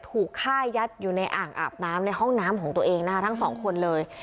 ถูกฆ่ายัดอยู่ในอ่างอาบน้ำในห้องน้ำของตัวเองนะคะทั้งสองคนเลย